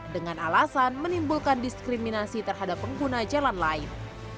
dengan alasan menimbulkan diskriminasi terhadap pengguna jalan lain